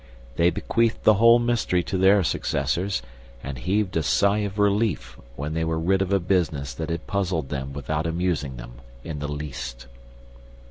They bequeathed the whole mystery to their successors and heaved a sigh of relief when they were rid of a business that had puzzled them without amusing them in the least."